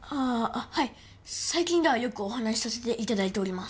はい最近ではよくお話しさせていただいております